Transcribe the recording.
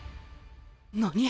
何。